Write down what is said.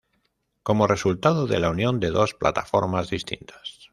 Como resultado de la unión de dos plataformas distintas.